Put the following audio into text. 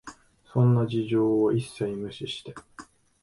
そんな事情を一切無視して、